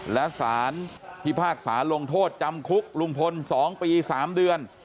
และสารพิพากษาลงโทษจำคุกลุงพล๒ปี๓เดือน